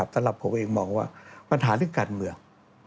สำหรับผมเองมองว่าปัญหาเรื่องการเมือง